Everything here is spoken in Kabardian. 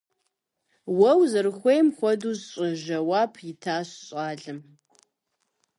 - Уэ узэрыхуейм хуэдэу щӀы! - жэуап итащ щӀалэм.